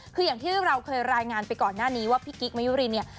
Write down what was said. คืออย่างที่เราเคยรายงานไปก่อนหน้านี้ว่าพี่กิ๊กมายุรินเนี่ย